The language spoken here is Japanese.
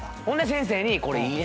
先生にこれいい！